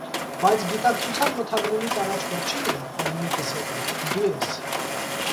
«Բայց գիտակցության մթագնումից առաջ վերջինը, որ միտս եկավ, «դու» ես»։